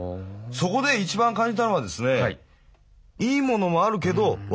そこで一番感じたのはですね